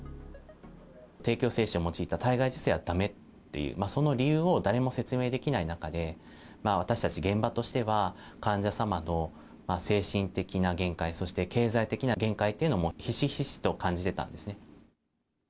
提供精子を用いた体外受精はだめっていう、その理由を誰も説明できない中で、私たち現場としては、患者様の精神的な限界、そして経済的な限界というのを、ひしひしと感じてたんですね。